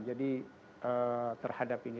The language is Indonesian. jadi terhadap ini